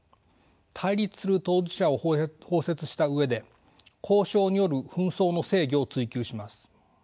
対立する当事者を包摂した上で交渉による紛争の制御を追求します。